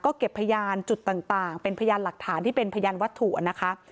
ก็เก็บพยานจุดต่างเป็นพยานหลักฐานที่เป็นพยานวัตถุนะคะ